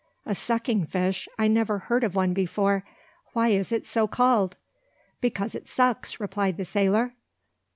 "A sucking fish! I never heard of one before. Why is it so called?" "Because it sucks," replied the sailor.